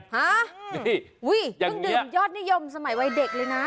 ฮะอย่างนี้อุ้ยเดิมยอดนิยมสมัยวัยเด็กเลยนะ